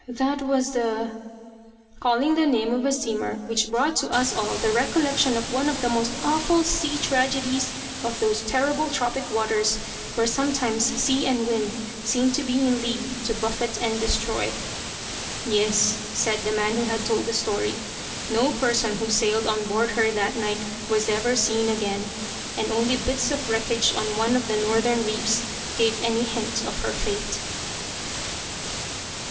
That was the ," calling the name of a steamer which brought to us all the recollection of one of the most awful sea tragedies of those terrible tropic waters, where sometimes sea and wind seem to be in league to buffet and destroy. "Yes," said the man who had told the story. "No person who sailed on board of her that night was ever seen again; and only bits of wreckage on one of the northern reefs gave any hint of her fate."